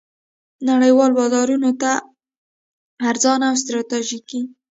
نړیوالو بازارونو ته ارزانه او ستراتیژیکې